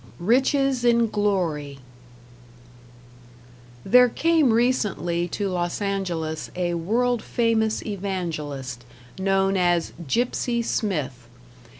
#Riches in Glory# There came recently to Los Angeles a "world famous evangelist", known as "Gipsy" Smith.